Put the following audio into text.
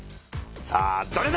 さあどれだ？